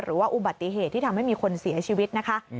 อุบัติเหตุที่ทำให้มีคนเสียชีวิตนะคะ